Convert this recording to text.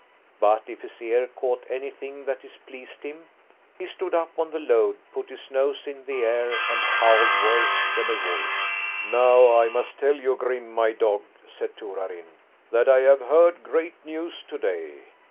But if his ear caught anything that displeased him, he stood up on the load, put his nose in the air, and howled worse than a wolf. "Now I must tell you, Grim, my dog," said Torarin, "that I have heard great news today.